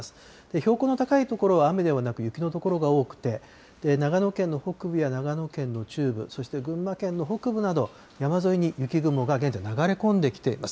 標高の高い所は雨ではなく、雪の所が多くて、長野県の北部や長野県の中部、そして群馬県の北部など、山沿いに雪雲が現在、流れ込んできています。